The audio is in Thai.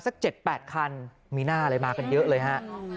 สัก๗๘คันมีหน้าอะไรมากันเยอะเลยฮะ